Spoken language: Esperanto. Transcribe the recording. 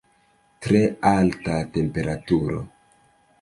Tre alta temperaturo.